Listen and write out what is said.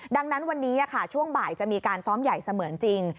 ดังนั้นวันนี้ช่วงบ่ายจะมีการซ้อมใหญ่เสมือนจริง